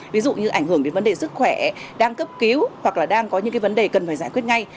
ví dụ như ảnh hưởng đến vấn đề sức khỏe đang cấp cứu hoặc là đang có những vấn đề cần phải giải quyết ngay